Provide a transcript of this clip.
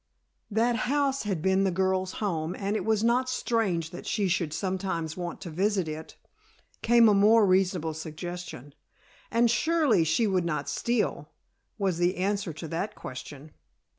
That house had been the girl's home and it was not strange that she should sometimes want to visit it, came a more reasonable suggestion. And surely she would not steal, was the answer to that question.